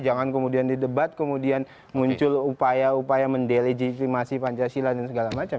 jangan kemudian di debat kemudian muncul upaya upaya mendelegitimasi pancasila dan segala macam